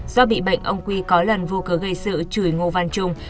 do bị bệnh ông quy có lần vô cớ gây sự chửi ngô văn trung